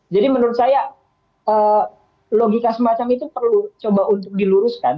jadi menurut saya logika semacam itu perlu coba untuk diluruskan